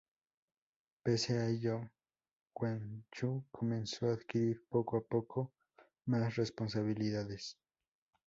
Pese a ello, Guangxu comenzó a adquirir poco a poco más responsabilidades.